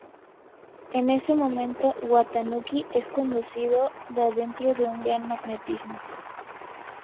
En ese momento Watanuki es conducido adentro por un gran magnetismo.